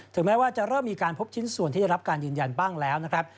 แม้ว่าจะเริ่มมีการพบชิ้นส่วนที่ได้รับการยืนยันบ้างแล้วนะครับ